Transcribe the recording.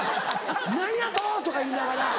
「何やと！」とか言いながら。